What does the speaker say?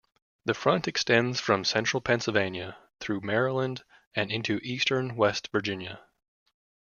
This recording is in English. The Front extends from central Pennsylvania through Maryland and into eastern West Virginia.